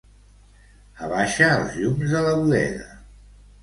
Abaixa els llums de la bodega.